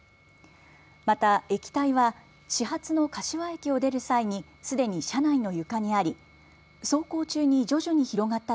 また液体は始発の柏駅を出る際にすでに車内の床にあり走行中に徐々に広がった